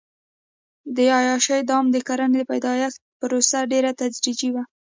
د عیاشۍ دام د کرنې د پیدایښت پروسه ډېره تدریجي وه.